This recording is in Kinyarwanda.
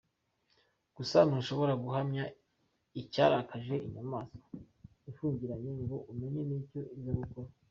Gusa ntushobora guhamya icyarakaje inyamaswa ifungiranye ngo umenye n’icyo iza gukora.